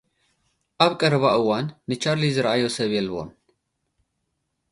ኣብ ቀረባ እዋን ንቻርሊ ዝረኣዮ ሰብ የልቦን።